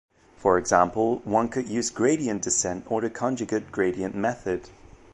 For example, one could use gradient descent or the conjugate gradient method.